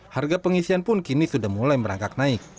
harga pengisian pun kini sudah mulai merangkak naik